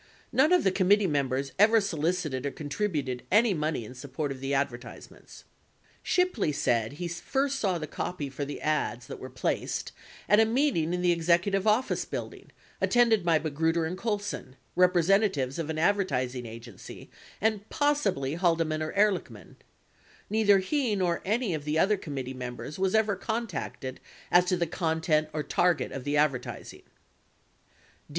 70 None of the committee members ever solicited or contributed any money in support of the advertisements. Shipley said he first saw the copy for the ads that were placed at a meeting in the Executive Office Building attended by Magruder and Colson, representatives of an advertising agency, and possibly Haldeman or Ehrlichman. Neither he nor any of the other committee members was ever contacted as to the content or target of the advertising.